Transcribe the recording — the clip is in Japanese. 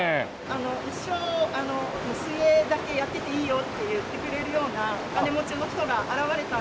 一生水泳だけやってていいよって言ってくれるようなお金持ちの人が現れたら。